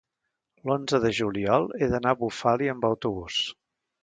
L'onze de juliol he d'anar a Bufali amb autobús.